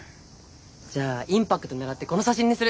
じゃあインパクト狙ってこの写真にする！